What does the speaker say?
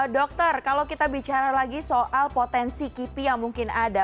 dokter kalau kita bicara lagi soal potensi kipi yang mungkin ada